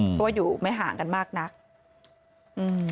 เพราะว่าอยู่ไม่ห่างกันมากนักอืม